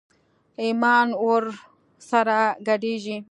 ايمان ور سره ګډېږي.